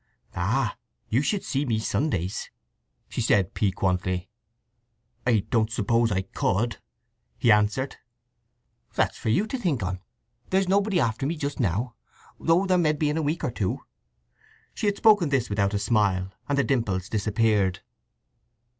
"Ah, you should see me Sundays!" she said piquantly. "I don't suppose I could?" he answered "That's for you to think on. There's nobody after me just now, though there med be in a week or two." She had spoken this without a smile, and the dimples disappeared.